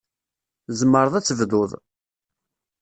Tzemreḍ ad tebduḍ.